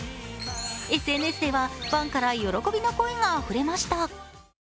ＳＮＳではファンから喜びの声があふれました。